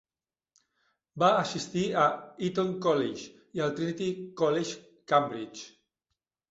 Va assistir a Eton College i al Trinity College, Cambridge.